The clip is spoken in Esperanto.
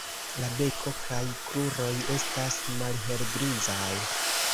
La beko kaj kruroj estas malhelgrizaj.